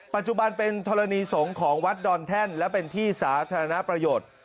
ปัจจุบันเป็นธรณีสงฆ์ของวัดดอนแท่นและเป็นที่สาธารณประโยชน์